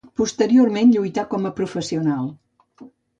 Posteriorment lluità com a professional.